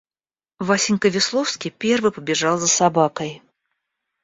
Васенька Весловский первый побежал за собакой.